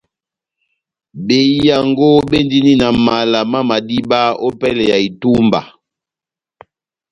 Behiyango béndini na mala má madiba ópɛlɛ ya itúmba